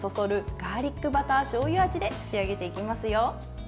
ガーリックバターしょうゆ味で仕上げていきますよ。